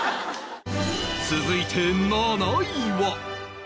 続いて７位は